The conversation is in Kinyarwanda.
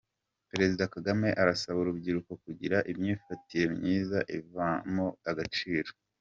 Perezida Kagame arasaba urubyiruko kugira imyifatire myiza ivamo agaciro